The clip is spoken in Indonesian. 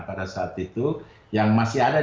pada saat itu yang masih ada